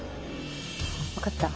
わかった。